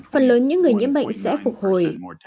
phần lớn những người nhiễm bệnh sẽ phục hồi